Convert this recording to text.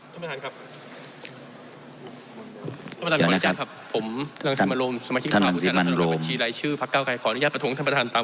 ท่านประธานครับ